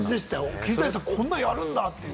桐谷さん、こんなのやるんだって。